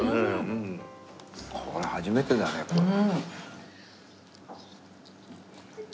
これ初めてだねこれ。